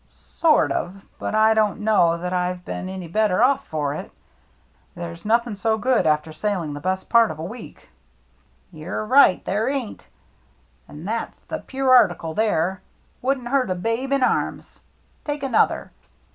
"Sort of, but I don't know that I've been any better off for it. There's nothing so good after sailing the best part of a week." " You're right, there ain't. And that's the THE CIRCLE MARK loi pure article there — wouldn't hurt a babe in arms. Take another.